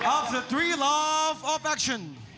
อัฟเซอร์๓รอฟอัฟแอคชั่น